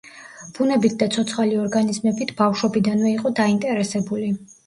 ბუნებით და ცოცხალი ორგანიზმებით ბავშვობიდანვე იყო დაინტერესებული.